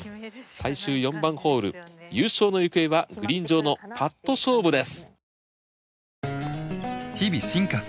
最終４番ホール優勝の行方はグリーン上のパット勝負です。